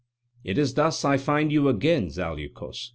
"Is it thus I find you again, Zaleukos?"